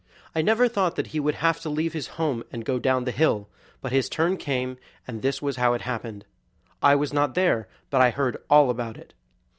I never thought that he would have to leave his home and go down the hill; but his turn came, and this was how it happened. I was not there, but I heard all about it.